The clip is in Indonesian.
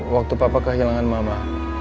waktu papa kehilangan mama